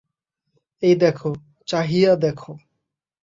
এই দেখো–চাহিয়া দেখো।